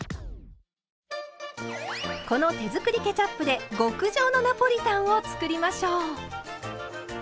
この手作りケチャップで極上のナポリタンを作りましょう。